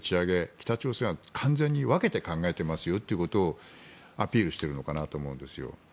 北朝鮮は完全に分けて考えていますよということをアピールしているのかなと思うんです。